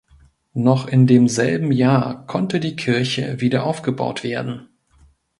Noch in demselben Jahr konnte die Kirche wiederaufgebaut werden.